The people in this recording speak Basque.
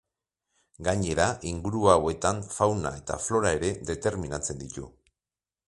Gainera, inguru hauetan fauna eta flora ere determinatzen ditu.